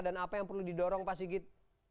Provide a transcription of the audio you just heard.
dan apa yang perlu didorong pak sigit